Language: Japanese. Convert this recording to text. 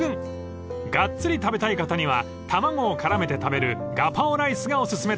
［がっつり食べたい方には卵を絡めて食べるガパオライスがお薦めです］